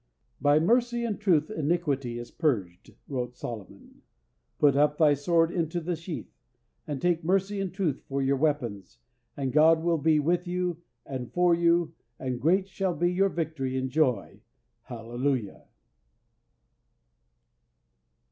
"By mercy and truth iniquity is purged," wrote Solomon. "Put up thy sword into the sheath, "and take mercy and truth for your weapons, and God will be with you and for you, and great shall be your victory and joy. Hallelujah!